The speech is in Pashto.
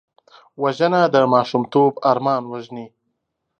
وژنه د ماشومتوب ارمان وژني